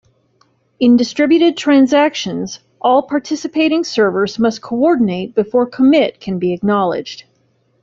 In distributed transactions, all participating servers must coordinate before commit can be acknowledged.